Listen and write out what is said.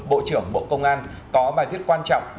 bộ trưởng bộ công an có bài viết quan trọng